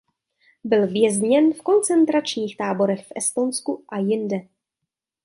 Byl vězněn v koncentračních táborech v Estonsku a jinde.